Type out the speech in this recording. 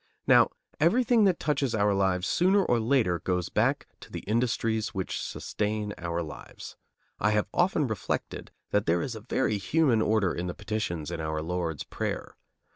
Now, everything that touches our lives sooner or later goes back to the industries which sustain our lives. I have often reflected that there is a very human order in the petitions in our Lord's prayer.